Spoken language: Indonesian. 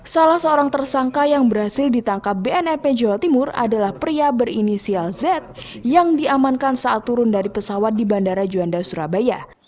salah seorang tersangka yang berhasil ditangkap bnnrp jawa timur adalah pria berinisial z yang diamankan saat turun dari pesawat di bandara juanda surabaya